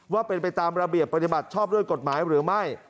ว่าเป็นไปตามระเบียบปฏิบัติชอบด้วยกฎหมายหรือไม่